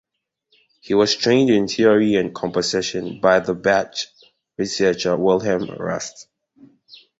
He was trained in theory and composition by the Bach researcher Wilhelm Rust.